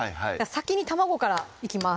先に卵からいきます